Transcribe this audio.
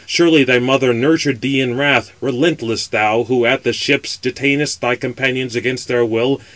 surely thy mother nurtured thee in wrath: relentless! thou who at the ships detainest thy companions against their will.